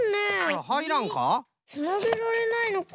つなげられないのか。